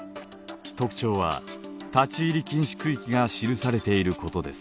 特徴は立ち入り禁止区域が記されていることです。